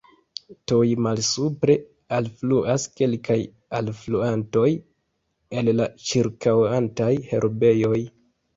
Tuj malsupre alfluas kelkaj alfluantoj el la ĉirkaŭantaj herbejoj.